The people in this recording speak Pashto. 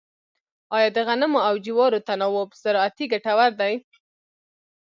آیا د غنمو او جوارو تناوب زراعتي ګټور دی؟